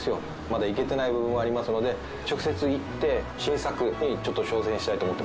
まだ行けてない部分もありますので直接行って新作にちょっと挑戦したいと思ってます。